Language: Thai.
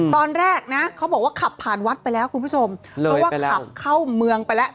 ตอนแรกนะเขาบอกว่าขับผ่านวัดไปแล้วคุณผู้ชมเพราะว่าขับเข้าเมืองไปแล้ว